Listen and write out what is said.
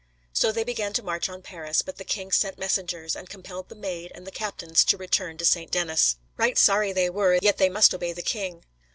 So they began to march on Paris, but the king sent messengers, and compelled the Maid and the captains to return to St. Denis. Right sorry were they, yet they must obey the king.